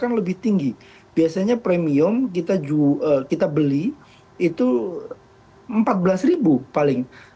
kalau lebih tinggi biasanya premium kita beli itu rp empat belas paling